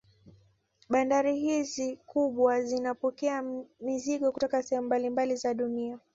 Bandari hizi kubwa zinapokea mizigo kutoka sehemu mbalimbali za dunia